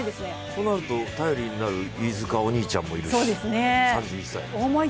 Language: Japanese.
そうなると頼りになる飯塚お兄ちゃんもいるし、３１歳。